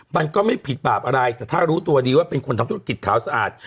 มันก็ไม่ผิดบาปอะไรแต่ถ้ารู้ตัวดีว่าเป็นคนทำธุรกิจขาวสะอาด